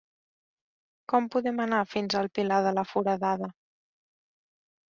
Com podem anar fins al Pilar de la Foradada?